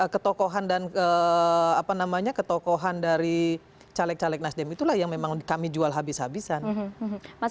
ketokohan dan ke apa namanya ketokohan dari caleg caleg nasdem itulah yang memang kami jual habis habisan nah